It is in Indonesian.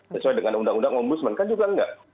sesuai dengan undang undang ombudsman kan juga enggak